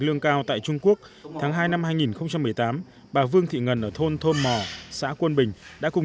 lương cao tại trung quốc tháng hai năm hai nghìn một mươi tám bà vương thị ngân ở thôn thôn mò xã quân bình đã cùng